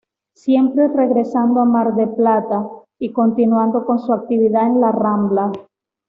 Siempre regresando a Mar del Plata y continuando con su actividad en la rambla.